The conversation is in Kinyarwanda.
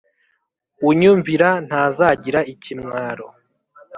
Unyumvira ntazagira ikimwaro,